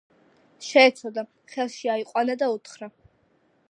შეეცოდა, ხელში აიყვანა და უთხრა